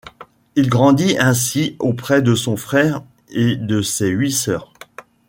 Il grandit ainsi auprès de son frère et de ses huit sœurs.